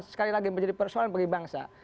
sekali lagi menjadi persoalan bagi bangsa